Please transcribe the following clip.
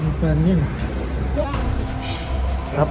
เอยยยอ้าวแล้วจำมันไว้เจอเป้าหมด